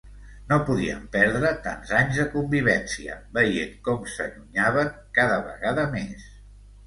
No podien perdre tants anys de convivència veient com s'allunyaven cada vegada més.